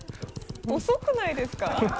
遅くないですか？